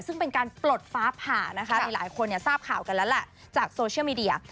ซึ่งเป็นการปลดฟ้าผ่านะคะหลายคนทราบข่าวกันแล้วแหละจากโซเชียลมีเดีย